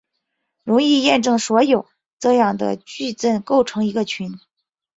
容易验证所有这样的矩阵构成一个群。